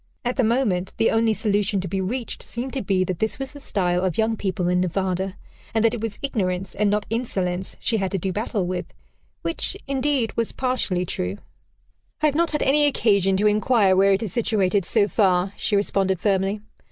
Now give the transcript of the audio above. At the moment, the only solution to be reached seemed to be that this was the style of young people in Nevada, and that it was ignorance and not insolence she had to do battle with which, indeed, was partially true. "I have not had any occasion to inquire where it is situated, so far," she responded firmly.